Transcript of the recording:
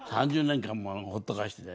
３０年間もほっとかして。